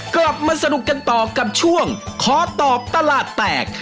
กลับมาสนุกกันต่อกับช่วงขอตอบตลาดแตก